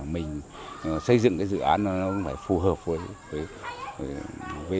mình xây dựng dự án phải phù hợp với